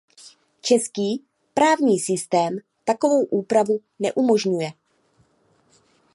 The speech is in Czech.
Český právní systém takovou úpravu neumožňuje.